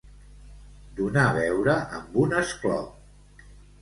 Donar beure amb un esclop.